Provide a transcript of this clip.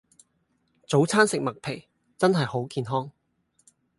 早餐食麥皮真係好健康